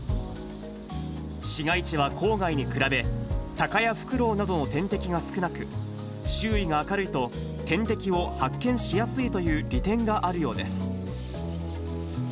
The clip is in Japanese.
市街地は郊外に比べ、タカやフクロウなどの天敵が少なく、周囲が明るいと、天敵を発見しやすいという利点があるようです。